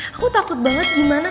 aku takut banget gimana